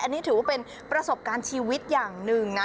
อันนี้ถือว่าเป็นประสบการณ์ชีวิตอย่างหนึ่งนะ